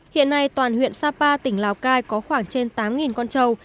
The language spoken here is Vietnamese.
hiện nay toàn huyện sapa tỉnh lào cai có khoảng trên tám con trâu